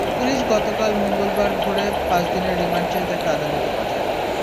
Police গতকাল মঙ্গলবার ভোরে পাঁচ দিনের রিমান্ড চেয়ে তাঁকে আদালতে পাঠায়।